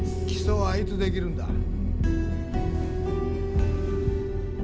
起訴はいつできるんだ？